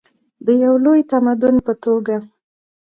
د یو لوی تمدن په توګه.